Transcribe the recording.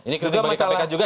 ini kritik bagi kpk juga